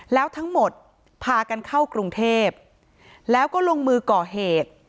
แล้วทั้งหมดพากันเข้ากรุงเทพแล้วก็ลงมือก่อเหตุ